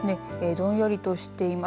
どんよりとしてます。